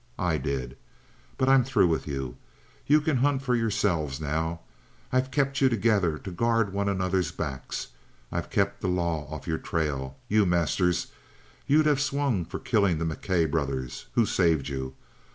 I did! But I'm through with you. You can hunt for yourselves now. I've kept you together to guard one another's backs. I've kept the law off your trail. You, Masters, you'd have swung for killing the McKay brothers. Who saved you?